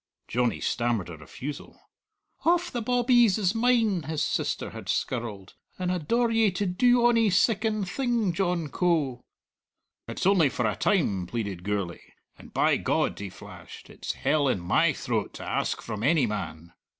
Johnny stammered a refusal. "Hauf the bawbees is mine," his sister had skirled, "and I daur ye to do ony siccan thing, John Coe!" "It's only for a time," pleaded Gourlay; "and, by God," he flashed, "it's hell in my throat to ask from any man."